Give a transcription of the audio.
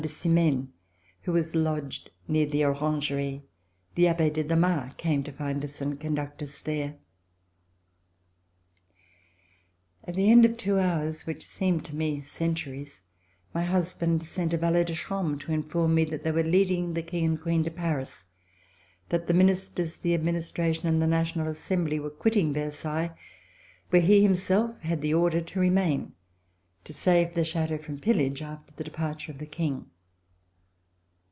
de Simaine, who was lodged near the Orangerie. The Abbe de Damas came to find us and conduct us there. At the end of two hours, which seemed to me centuries, my husband sent a valet de chambre to inform me that they were leading the King and Queen to Paris, that the Ministers, the Administra tion and the National Assembly were quitting Ver sailles, where he himself had the order to remain to VERSAILLES INVADED BY THE MOB save the Chateau from pillage after the departure of the King.